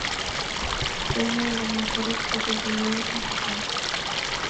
Fue uno de los mejores profesionales en su campo.